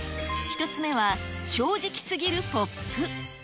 １つ目は、正直すぎるポップ。